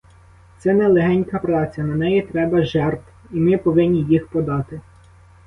Це не легенька праця, на неї треба жертв, і ми повинні їх подати.